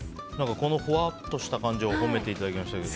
このほわっとした感じを褒めていただきましたけど。